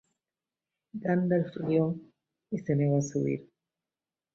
Gandalf rio, y se negó a subir.